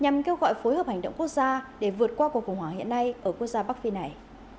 nhằm kêu gọi phối hợp hành động quốc gia để vượt qua cuộc khủng hoảng hiện nay ở quốc gia bắc phi này